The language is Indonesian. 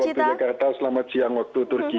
selamat sore waktu jakarta selamat siang waktu turki